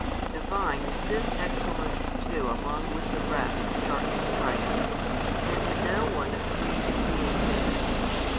Divine is this excellence too along with the rest which are in Christ, and in no one of created beings is it.